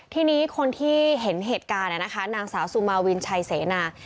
ทีนี้คนที่เห็นเหตุการณ์นะคะนางสาวสุมาวินชัยเสนา